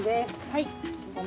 はい。